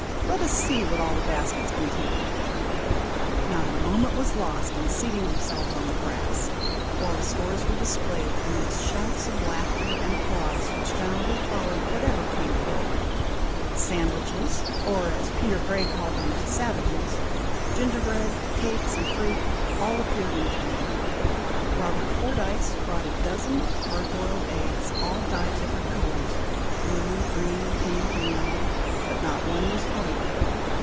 Let us see what all the baskets contain!" Not a moment was lost in seating themselves on the grass, while the stores were displayed, amidst shouts of laughter and applause which generally followed whatever came forth. Sandwiches, or, as Peter Grey called them, "savages;" gingerbread, cakes, and fruit, all appeared in turn. Robert Fordyce brought a dozen of hard boiled eggs, all dyed different colours, blue, green, pink, and yellow, but not one was white.